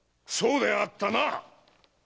そうであったな！